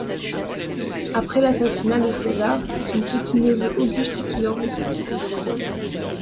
Après l'assassinat de César, c'est son petit-neveu Auguste qui le remplace.